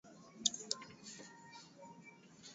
na machafuko na dhiki kuliko uhaba bila angalau